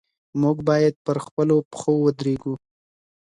موږ بايد پر خپلو پښو ودرېږو.